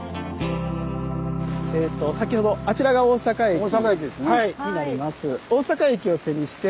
えと先ほどあちらが大阪駅になります。